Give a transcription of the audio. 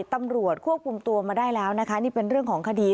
ตำรวจควบคุมตัวมาได้แล้วนะคะนี่เป็นเรื่องของคดี